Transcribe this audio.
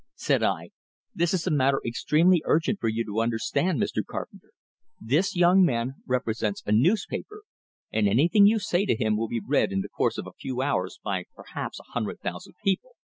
Said I: "This is a matter extremely urgent for you to understand, Mr. Carpenter. This young man represents a newspaper, and anything you say to him will be read in the course of a few hours by perhaps a hundred thousand people.